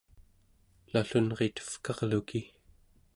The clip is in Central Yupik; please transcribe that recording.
nallunritevkarluki